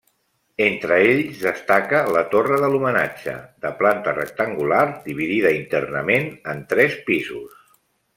Entre ells destaca la Torre de l'Homenatge, de planta rectangular dividida internament en tres pisos.